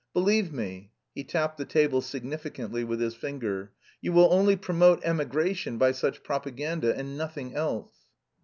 Believe me" he tapped the table significantly with his finger "you will only promote emigration by such propaganda and nothing else!"